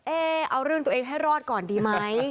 เอาเรื่องตัวเองให้รอดก่อนดีไหม